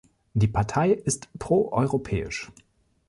Die Partei ist pro-europäisch.